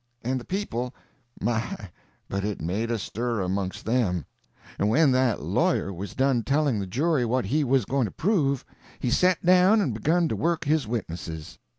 And the people—my, but it made a stir amongst them! [Illustration: Our lawyer.] And when that lawyer was done telling the jury what he was going to prove, he set down and begun to work his witnesses.